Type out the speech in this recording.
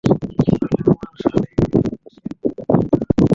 পারলে আমার শ্লীলতাহানি কর।